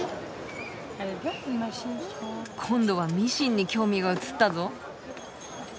今度はミシンに興味が移ったぞ。